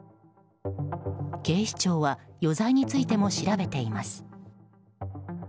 警視庁は余罪についても調べています。